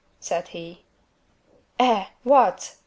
said he. "Eh! what!